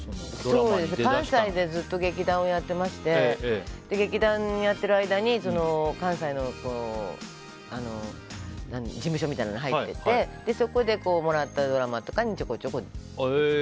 関西でずっと劇団をやってまして劇団でやっている間に関西の事務所みたいなのに入っていてそこでもらったドラマなんかにちょこちょこ。